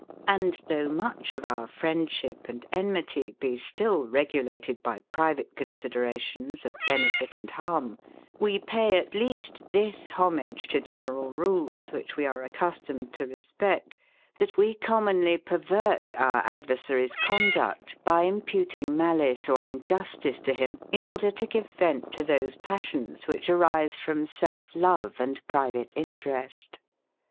And though much of our friendship and enemity be still regulated by private considerations of benefit and harm, we pay, at least, this homage to general rules, which we are accustomed to respect, that we commonly perver our adversary's conduct, by imputing malice or injustice to him, in order to give vent to those passions, which arise from self love and private interest.